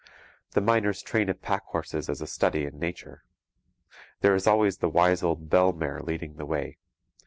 The miner's train of pack horses is a study in nature. There is always the wise old bell mare leading the way.